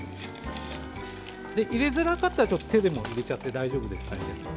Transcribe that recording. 入れづらかったら手で入れても大丈夫です。